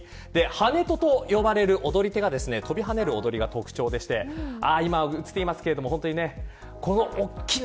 ハネトと呼ばれる踊り手が飛び跳ねる踊りが特徴で今、映っていますが。